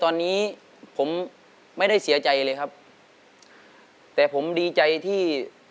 ตอนนี้ผมไม่ได้เสียใจเลยครับแต่ผมดีใจที่